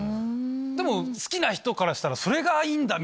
でも好きな人からしたらそれがいいんだ！